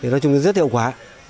nói chung là rất hiệu quả